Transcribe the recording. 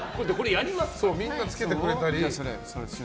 みんな、これつけてくれたり。